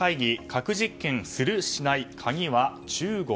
核実験する、しない鍵は中国？